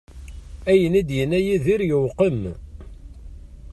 Ayen i d-yenna Yidir yewqem.